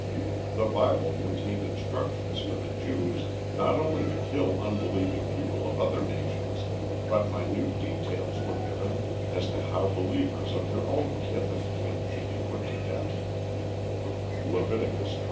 The Bible contained instructions for the Jews not only to kill unbelieving people of other nations, but minute details were given as to how believers of their own kith and kin should be put to death (Leviticus xxiv.